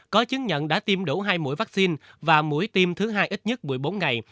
có chứng nhận đã tiêm đủ hai mũi vaccine và mũi tiêm thứ hai ít nhất một mươi bốn ngày